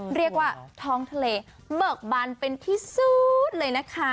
เรียกว่าท้องทะเลเบิกบันเป็นที่สุดเลยนะคะ